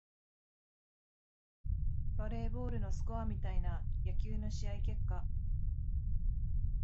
バレーボールのスコアみたいな野球の試合結果